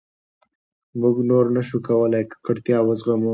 موږ نور نه شو کولای ککړتیا وزغمو.